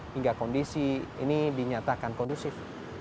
hingga kondisi ini dinyatakan kondusif